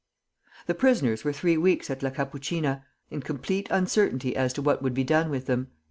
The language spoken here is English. The prisoners were three weeks at La Capuchina, in complete uncertainty as to what would be done with them.